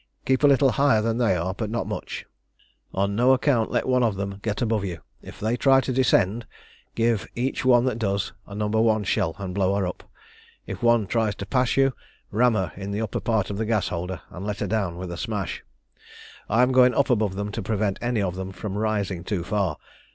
Keep a little higher than they are, but not much. On no account let one of them get above you. If they try to descend, give each one that does so a No. 1 shell, and blow her up. If one tries to pass you, ram her in the upper part of the gas holder, and let her down with a smash. "I am going up above them to prevent any of them from rising too far.